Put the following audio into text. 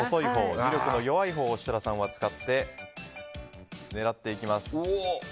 威力の弱いほうを設楽さんは使って狙っていきます。